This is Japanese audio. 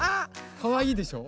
かわいいでしょ？